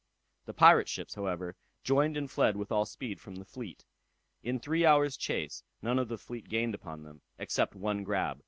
The pirate ships, however, joined and fled with all speed from the fleet. In three hours' chase none of the fleet gained upon them, except one grab.